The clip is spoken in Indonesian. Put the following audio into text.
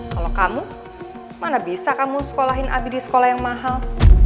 kalau kamu mana bisa kamu sekolahin abi di sekolah yang mahal